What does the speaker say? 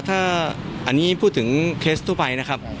ถ้าอันนี้พูดถึงเคสทั่วไปนะครับ